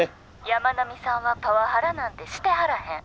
「山南さんはパワハラなんてしてはらへん。